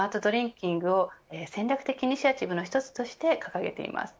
キングを戦略イニシアティブの一つとして掲げています。